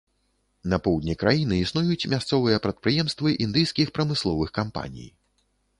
На поўдні краіны існуюць мясцовыя прадпрыемствы індыйскіх прамысловых кампаній.